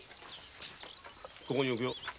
ここに置くよ。